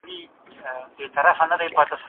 کېدای سي درسونه سخت وي!؟